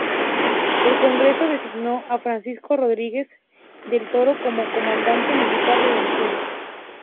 El Congreso designó a Francisco Rodríguez del Toro como Comandante Militar de Venezuela.